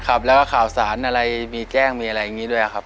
ครับแล้วก็ข่าวสารอะไรมีแจ้งมีอะไรอย่างนี้ด้วยครับ